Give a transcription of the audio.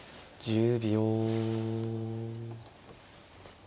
１０秒。